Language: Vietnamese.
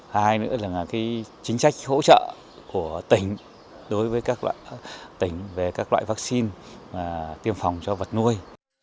hai nữa là chính sách hỗ trợ của tỉnh đối với các loại tỉnh về các loại vaccine tiêm phòng cho vật nuôi